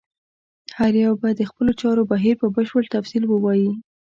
هر یو به د خپلو چارو بهیر په بشپړ تفصیل ووایي.